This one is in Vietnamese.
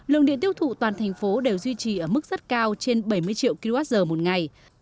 lượng điện tiêu thụ toàn thành phố đều duy trì ở mức rất cao trên bảy mươi triệu kwh một ngày